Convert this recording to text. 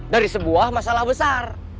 dari sebuah masalah besar